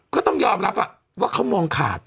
ก็ต้องยอมรับว่าเขามองขาด